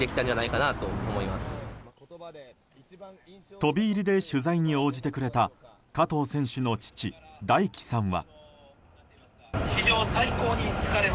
飛び入りで取材に応じてくれた加藤選手の父・大貴さんは。